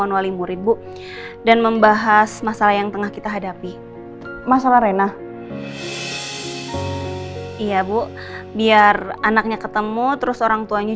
kau punya masalah harus cepet diselesaikan